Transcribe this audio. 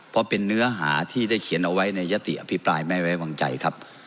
เพราะเป็นเนื้อหาที่ได้เขียนเอาไว้ในยติอภิปรายไม่ไว้วางใจครับ